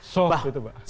so itu pak